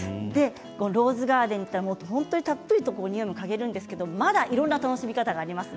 ローズガーデンに行ったらたっぷりとにおいも嗅げるんですけどいろんな楽しみ方があります。